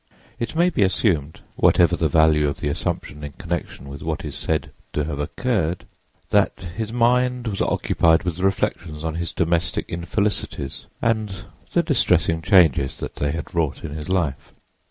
It may be assumed—whatever the value of the assumption in connection with what is said to have occurred—that his mind was occupied with reflections on his domestic infelicities and the distressing changes that they had wrought in his life.